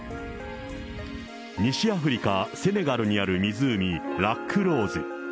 西アフリカ・セネガルにある湖、ラック・ローズ。